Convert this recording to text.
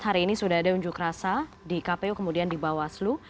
hari ini sudah ada unjuk rasa di kpu kemudian di bawaslu